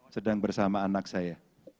sedang bersama anak saya